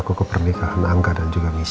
kemarin aku kepernikahan angga dan juga miso